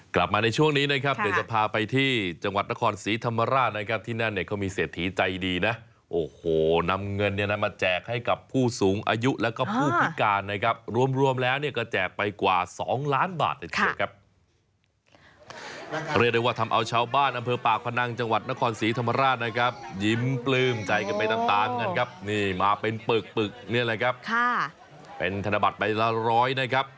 กลับมาในช่วงนี้นะครับเดี๋ยวจะพาไปที่จังหวัดนครศรีธรรมราชนะครับที่นั่นเนี่ยเขามีเศรษฐีใจดีนะโอ้โหนำเงินเนี่ยน่ะมาแจกให้กับผู้สูงอายุแล้วก็ผู้พิการนะครับรวมรวมแล้วเนี่ยก็แจกไปกว่าสองล้านบาทนะครับเรียกได้ว่าทำเอาชาวบ้านอำเภอปากพนังจังหวัดนครศรีธรรมราชนะครับย